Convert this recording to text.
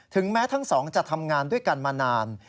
แม้ทั้งสองจะทำงานด้วยกันมานาน